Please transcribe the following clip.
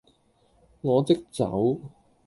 我即走